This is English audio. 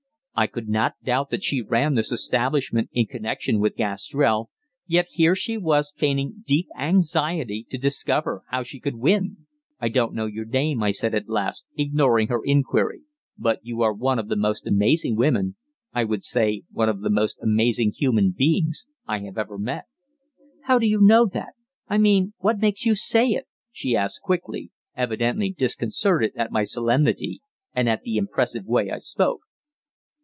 I could not doubt that she ran this establishment in connection with Gastrell, yet here she was feigning deep anxiety to discover how she could win. "I don't know your name," I said at last, ignoring her inquiry, "but you are one of the most amazing women, I would say one of the most amazing human beings, I have ever met." "How do you know that I mean what makes you say it?" she asked quickly, evidently disconcerted at my solemnity and at the impressive way I spoke.